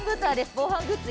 防犯グッズ